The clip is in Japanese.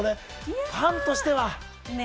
ファンとしては。